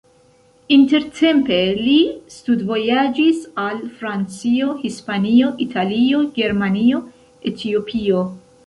Intertempe li studvojaĝis al Francio, Hispanio, Italio, Germanio, Etiopio.